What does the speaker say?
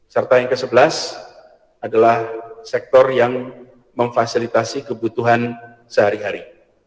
serta yang ke sebelas adalah sektor yang memfasilitasi kebutuhan sehari hari